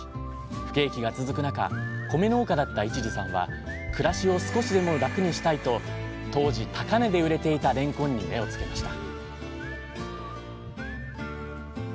不景気が続く中米農家だった市次さんは暮らしを少しでも楽にしたいと当時高値で売れていたれんこんに目を付けました